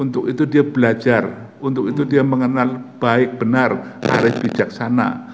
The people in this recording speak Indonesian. untuk itu dia belajar untuk itu dia mengenal baik benar arief bijaksana